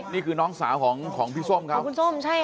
นี่คือน้องสาวของพี่ส้ม